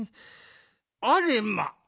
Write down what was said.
あれま！